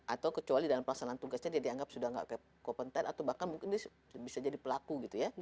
atau kecuali dalam pelaksanaan tugasnya dia dianggap sudah tidak kompeten atau bahkan mungkin dia bisa jadi pelaku gitu ya